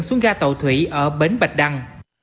xuống ga tàu thủy ở bến bạch đăng